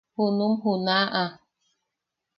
–Junum junaʼa.